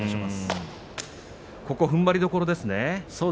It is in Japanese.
ここはふんばりどころですね。